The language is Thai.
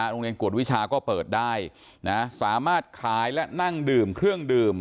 โรงเรียนกวดวิชาก็เปิดได้นะสามารถขายและนั่งดื่มเครื่องดื่ม